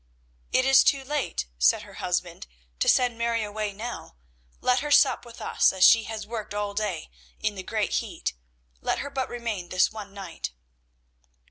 "It is too late," said her husband, "to send Mary away now. Let her sup with us, as she has worked all day in the great heat. Let her but remain this one night."